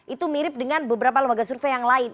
itu mirip dengan beberapa lembaga survei yang lain